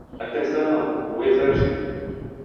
Atenção, o exército!